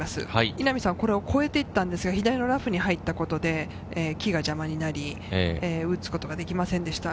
稲見さんはこれを越えていったんですが、左のラフに入ったことで木が邪魔になり、打つことができませんでした。